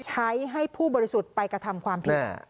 ให้ผู้บริสุทธิ์ไปกระทำความผิด